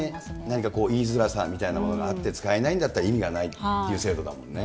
何か言いづらさみたいなものがあって使えないんだったら意味がないっていう制度だもんね。